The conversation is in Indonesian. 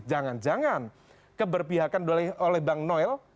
jangan jangan keberpihakan oleh bang noel